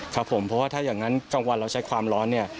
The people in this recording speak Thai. ครับผมเพราะว่าถ้าอย่างนั้นกลางวันเราใช้ความร้อนเนี่ย